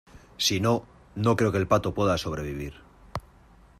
si no, no creo que el pato pueda sobrevivir